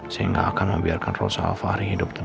saya gak akan membiarkan rosa alva hari hidup tenang